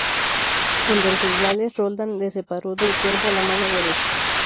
En Roncesvalles, Roldán le separó del cuerpo la mano derecha.